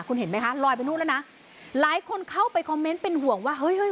คุณเห็นไหมคะลอยไปนู่นแล้วนะหลายคนเข้าไปคอมเมนต์เป็นห่วงว่าเฮ้ยเฮ้ย